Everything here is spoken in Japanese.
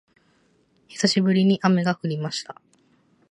久しぶりに雨が降りました